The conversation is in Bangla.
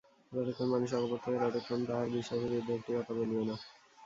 যতক্ষণ মানুষ অকপট থাকে, ততক্ষণ তাহার বিশ্বাসের বিরুদ্ধে একটি কথাও বলিও না।